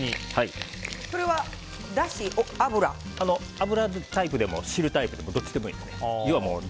油タイプでも汁タイプでもどっちでも大丈夫です。